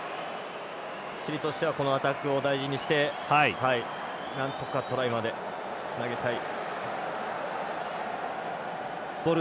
チリとしてはこのアタックを大事にして、なんとかトライまでつなげたい。